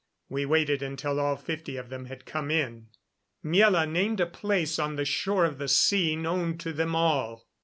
We waited until all fifty of them had come in. Miela named a place on the shore of the sea known to them all.